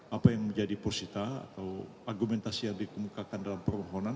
apa yang menjadi porsita atau argumentasi yang dikemukakan dalam permohonan